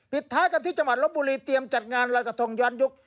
ท้ายกันที่จังหวัดลบบุรีเตรียมจัดงานรอยกระทงย้อนยุค